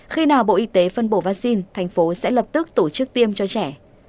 khi nào bộ y tế phân bổ vaccine thành phố sẽ lập tức tổ chức tiêm cho trẻ